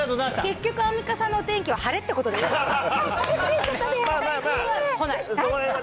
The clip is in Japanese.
結局アンミカさんのお天気は、晴れってことでいいですか。